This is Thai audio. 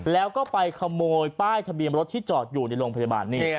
แล้วก็ไปขโมยป้ายทะเบียนรถที่จอดอยู่ในโรงพยาบาลนี่